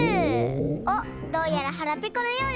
おっどうやらはらぺこのようですね。